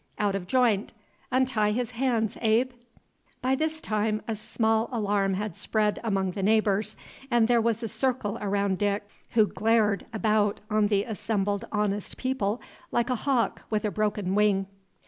"Out of joint. Untie his hands, Abel" By this time a small alarm had spread among the neighbors, and there was a circle around Dick, who glared about on the assembled honest people like a hawk with a broken wing.